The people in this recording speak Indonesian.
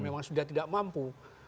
memang sudah tidak mampu